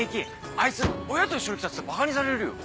「あいつ親と一緒に来た」ってばかにされるよ！